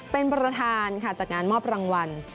เป็นประธานค่ะจัดงานมอบรางวัล